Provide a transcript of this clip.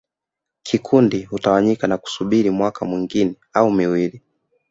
Kikundi hutawanyika na kusubiri mwaka mwingine au miwili